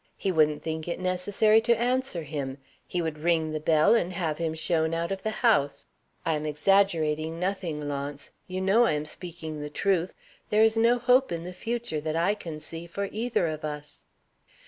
He wouldn't think it necessary to answer him; he would ring the bell, and have him shown out of the house. I am exaggerating nothing, Launce; you know I am speaking the truth. There is no hope in the future that I can see for either of us.